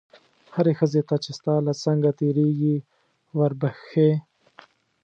هرې ښځې ته چې ستا له څنګه تېرېږي وربښې.